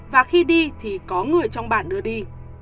và khi đi thì có người trong bản đưa đi